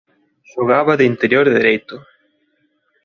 Xogaba de interior dereito.